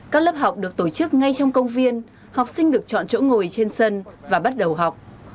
các lớp học được tổ chức ngay trong công viên học sinh được chọn chỗ ngồi trên sân và bắt đầu học